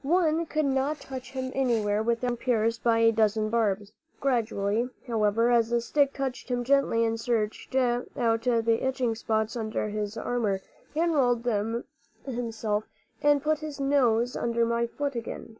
One could not touch him anywhere without being pierced by a dozen barbs. Gradually, however, as the stick touched him gently and searched out the itching spots under his armor, he unrolled himself and put his nose under my foot again.